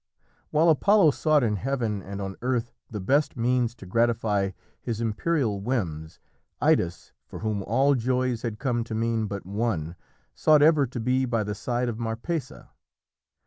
While Apollo sought in heaven and on earth the best means to gratify his imperial whims, Idas, for whom all joys had come to mean but one, sought ever to be by the side of Marpessa.